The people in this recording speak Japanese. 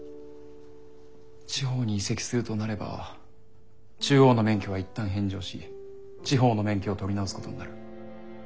地方に移籍するとなれば中央の免許は一旦返上し地方の免許を取り直すことになる。